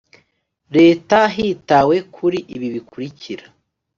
Leta hitawe kuri ibi bikurikira